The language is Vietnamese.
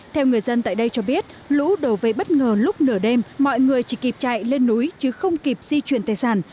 theo người dân tại đây cho biết lũ đổ về bất ngờ lúc nửa đêm mọi người chỉ kịp chạy lên núi chứ không kịp di chuyển tài sản